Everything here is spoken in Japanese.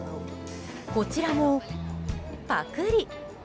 こちらも、パクリ。